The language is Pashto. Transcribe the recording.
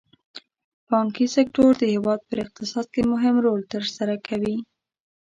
بانکي سکتور د هېواد په اقتصاد کې مهم رول تر سره کوي.